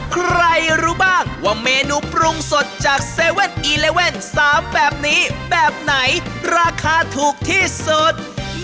ใครรู้บ้างว่าเมนูปรุงสดจาก๗๑๑๓แบบนี้แบบไหนราคาถูกที่สุด